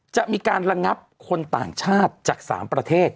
จะมีการระงับคนต่างชาติจาก๓ประเทศ